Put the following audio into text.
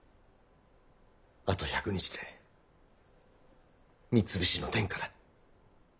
あと１００日で三菱の天下だ。